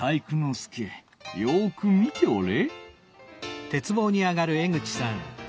介よく見ておれ。